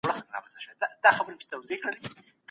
دورکهایم د کنت په شان فکر کاوه.